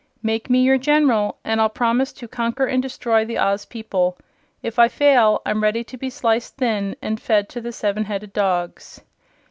Make me your General and I'll promise to conquer and destroy the Oz people. If I fail I'm ready to be sliced thin and fed to the seven headed dogs."